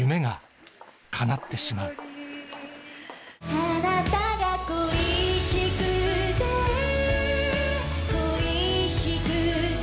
あなたが恋しくて